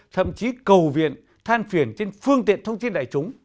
thậm chí cầu viện than phiền trên phương tiện thông tin đại chúng